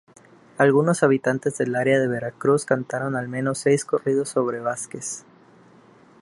Algunos habitantes del área de Veracruz cantaron al menos seis corridos sobre Vázquez.